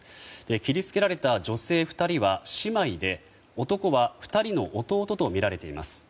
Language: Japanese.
切り付けられた女性２人は姉妹で男は、２人の弟とみられています。